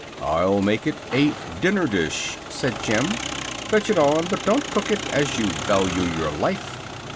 "I'll make it a dinner dish," said Jim. "Fetch it on, but don't cook it, as you value your life."